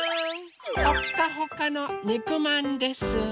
ほっかほかのにくまんです！